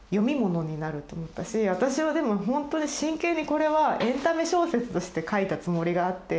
私はでもほんとに真剣にこれはエンタメ小説として書いたつもりがあって。